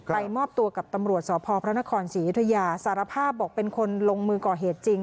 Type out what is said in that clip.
มอบตัวกับตำรวจสพพระนครศรียุธยาสารภาพบอกเป็นคนลงมือก่อเหตุจริง